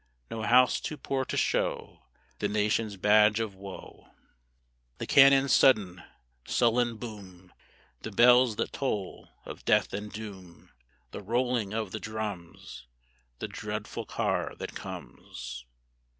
(No house too poor to show The nation's badge of woe.) The cannon's sudden, sullen boom, The bells that toll of death and doom, The rolling of the drums, The dreadful car that comes?